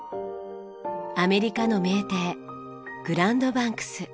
アメリカの名艇グランドバンクス。